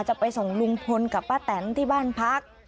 จะไปส่งลุงพลกับป้าแตนที่บ้านพัก